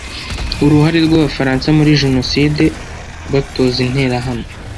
uruhare rw'abafaransa muri jenoside, batoza interahamwe